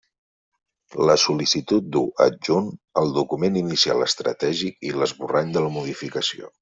La sol·licitud du, adjunt, el Document Inicial Estratègic i l'esborrany de la Modificació.